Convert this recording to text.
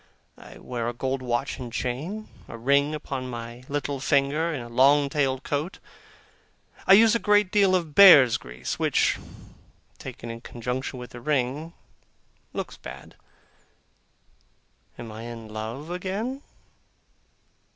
I wear a gold watch and chain, a ring upon my little finger, and a long tailed coat; and I use a great deal of bear's grease which, taken in conjunction with the ring, looks bad. Am I in love again?